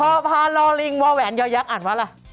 เฮ้ยพอพาล่อลิงวาแหว่นเยาะยักษ์อ่านมาแล้ว